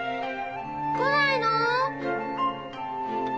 来ないのー？